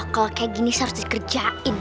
kalo kayak gini seharusnya dikerjain